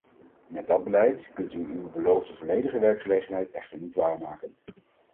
Met dat beleid kunt u uw beloofde volledige werkgelegenheid echter niet waarmaken.